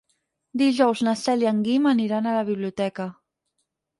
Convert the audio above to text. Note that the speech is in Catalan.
Dijous na Cel i en Guim aniran a la biblioteca.